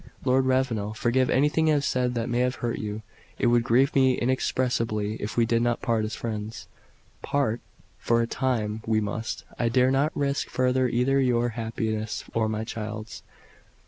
"Lord Ravenel, forgive anything I have said that may have hurt you. It would grieve me inexpressibly if we did not part as friends." "Part?" "For a time, we must. I dare not risk further either your happiness or my child's."